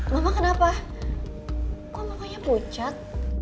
ma mama kenapa kok mamanya pucat